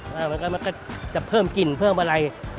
มันก็จะเพิ่มกลิ่นเพิ่มอะไร